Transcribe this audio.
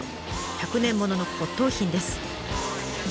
１００年物の骨董品です。